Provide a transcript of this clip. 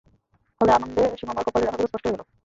ফলে আনন্দে সুমামার কপালের রেখাগুলো স্পষ্ট হয়ে গেল।